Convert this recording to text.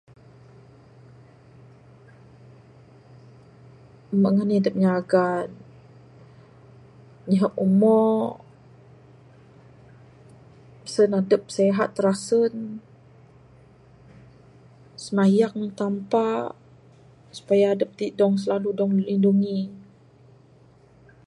Mung anih dup nyaga, nyihup umo. Sen adup sehat tirasun. Simayang ndug Tampa' supaya dup tik dong, slalu dong lidungi.